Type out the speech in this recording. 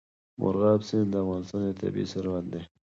مورغاب سیند د افغانستان یو طبعي ثروت دی.